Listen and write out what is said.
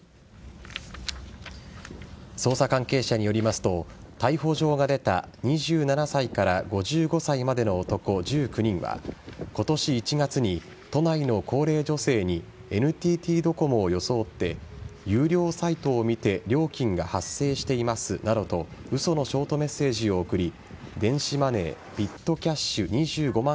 捜査関係者によりますと逮捕状が出た２７歳から５５歳までの男１９人は今年１月に、都内の高齢女性にＮＴＴドコモを装って有料サイトを見て料金が発生していますなどと嘘のショートメッセージを送り電子マネー・ビットキャッシュ２５万